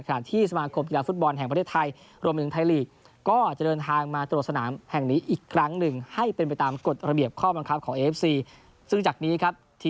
ขณะที่สมาคมกีฬาฟุตบอลแห่งประเทศไทยรวมถึงไทยลีก